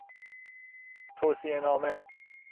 توصیهنامه